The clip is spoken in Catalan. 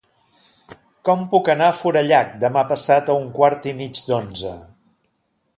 Com puc anar a Forallac demà passat a un quart i mig d'onze?